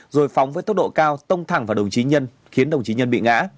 rồi phóng với tốc độ cao tông thẳng vào đồng chí nhân khiến đồng chí nhân bị ngã